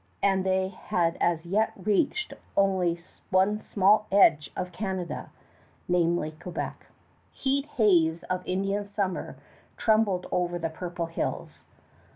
And they had as yet reached only one small edge of Canada, namely Quebec. Heat haze of Indian summer trembled over the purple hills.